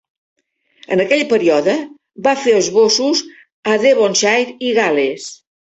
En aquell període, va fer esbossos a Devonshire i Gal·les.